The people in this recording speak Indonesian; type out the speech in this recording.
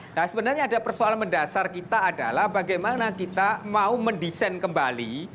nah sebenarnya ada persoalan mendasar kita adalah bagaimana kita mau mendesain kembali